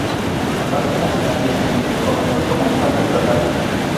El Parque nacional Yosemite comenzó como un parque estatal.